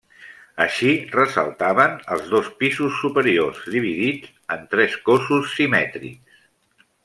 Així ressaltaven els dos pisos superiors, dividit en tres cossos simètrics.